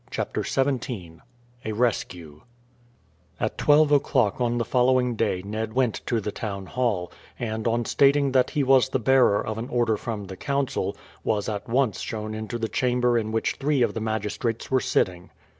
CHAPTER XVII A RESCUE At twelve o'clock on the following day Ned went to the town hall, and on stating that he was the bearer of an order from the Council, was at once shown into the chamber in which three of the magistrates were sitting.